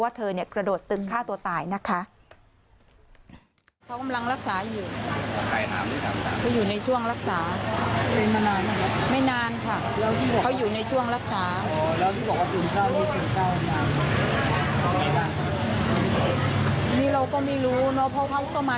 เธอกระโดดตึกฆ่าตัวตายนะคะ